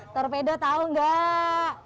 torpedo tahu enggak